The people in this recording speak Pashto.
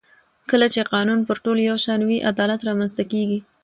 کله چې قانون پر ټولو یو شان وي عدالت رامنځته کېږي